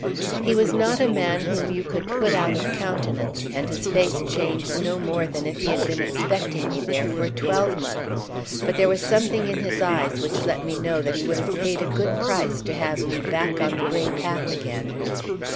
He was not a man whom you could put out of countenance, and his face changed no more than if he had been expecting me there for a twelvemonth; but there was something in his eyes which let me know that he would have paid a good price to have me back on the brae path again.